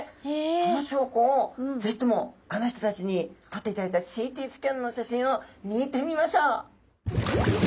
その証拠をぜひともあの人たちにとっていただいたＣＴスキャンの写真を見てみましょう。